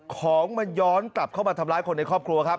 ของมันย้อนกลับเข้ามาทำร้ายคนในครอบครัวครับ